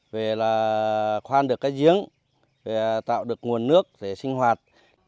về là khoan được cái giếng về là tạo được nguồn nước để sinh hoạt